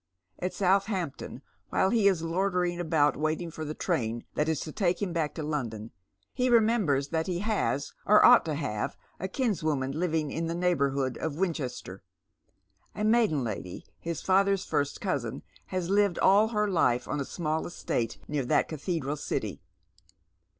At Southampton, while he is loitering about waiting for the train that is to take him back to London, he remembers that he has or ought to have a kinswoman living in the neighbourhood of Winchester. A maiden lady, his father's first cousin, has lived all her life on a small estate near that cathedral city.